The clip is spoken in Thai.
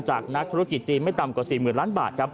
จากนักธุรกิจจีนไม่ต่ำกว่า๔๐ล้านบาท